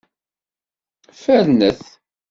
Fernet!